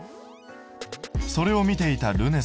それを見ていたるね